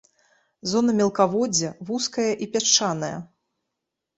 Зона мелкаводдзя вузкая і пясчанае.